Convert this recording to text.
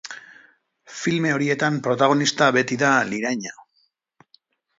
Filme horietan protagonista beti da liraina.